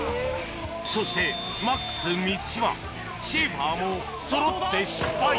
そしてマックス満島シェーファーもそろって失敗